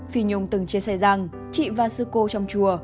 phi nhung từng chia sẻ rằng chị và sư cô trong chùa